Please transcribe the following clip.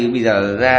bây giờ ra